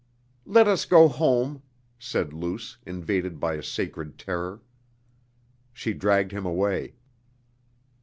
"Let us go home!" said Luce, invaded by a sacred terror. She dragged him away.